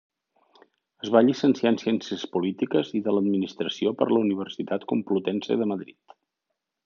Es va llicenciar en Ciències Polítiques i de l'Administració per la Universitat Complutense de Madrid.